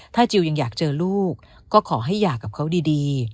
ถ้าจิลยังอยากเจอลูกก็ขอให้หย่ากับเขาดี